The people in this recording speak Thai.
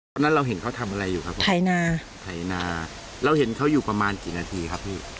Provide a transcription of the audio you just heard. ตอนนั้นเราเห็นเขาทำอะไรอยู่ครับไถนาไถนาเราเห็นเขาอยู่ประมาณกี่นาทีครับพี่